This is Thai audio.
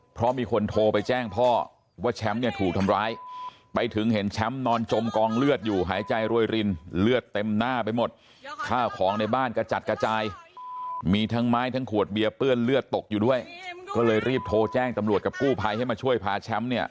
เพราะมีคนโทรไปแจ้งพ่อว่าแชมป์เนี้ยถูกทำร้าย